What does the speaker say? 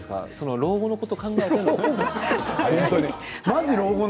老後のことを考えて。